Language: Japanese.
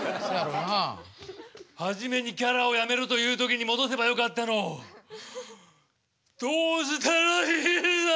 初めにキャラをやめろという時に戻せばよかったのをどうしたらいいんだ！